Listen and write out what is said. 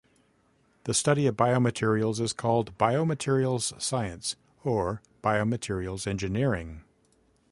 The study of biomaterials is called biomaterials science or biomaterials engineering.